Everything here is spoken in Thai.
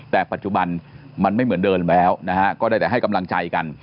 แต่ปัจจุบันมันไม่เหมือนเดิมแล้วก็ได้แต่ให้กำลังใจกัน